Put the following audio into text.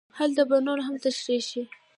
هلته به نور هم تشرېح شي.